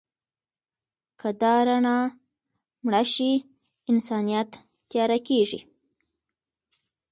که دا رڼا مړه شي، انسانیت تیاره کېږي.